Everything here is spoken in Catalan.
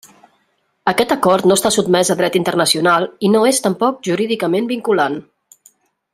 Aquest acord no està sotmès a dret internacional i no és tampoc jurídicament vinculant.